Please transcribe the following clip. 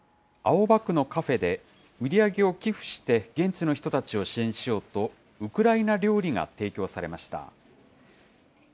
青葉区のカフェで、売り上げを寄付して現地の人たちを支援しようと、ウクライナ料理が提供されました。